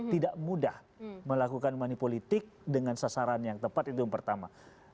tidak mudah melakukan money politik dengan sasaran yang tepat itu yang pertama